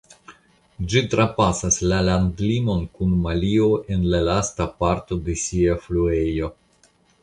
Ĝi trapasas la landimon kun Malio en la lasta parto de sia fluejo.